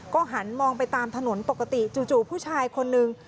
ก็หันมองไปตามถนนปกติจู่ผู้ชายคนนึง